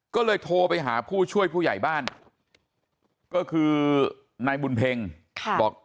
ก็เลยโทรไปหาผู้ช่วยผู้ใหญ่บ้านก็คือนายบุญเพ็งบอก